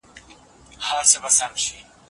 د یو بل مرسته کول زموږ کلتور دی.